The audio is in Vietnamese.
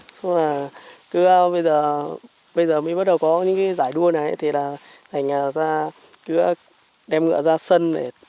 bây giờ mới bắt đầu có những cái giải đua này thì là đem ngựa ra sân